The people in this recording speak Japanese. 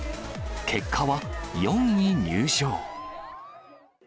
結果は４位入賞。